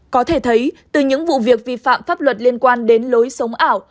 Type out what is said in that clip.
có thể thấy từ những vụ việc vi phạm pháp luật liên quan đến lối sống ảo